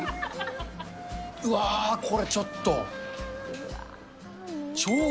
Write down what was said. うわー、これ、ちょっと。